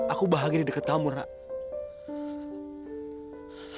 aku bahagia di dekat kamu nak